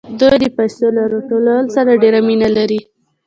دوی د پیسو له راټولولو سره ډېره مینه لري